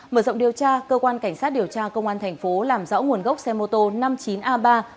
mở rộng điều tra cơ quan cảnh sát điều tra công an thành phố làm rõ nguồn gốc xe mô tô năm mươi chín a ba một mươi một nghìn năm trăm tám mươi tám